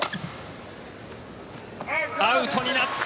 アウトになった。